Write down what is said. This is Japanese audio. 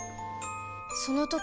その時